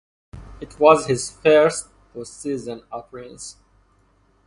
It was his first postseason appearance.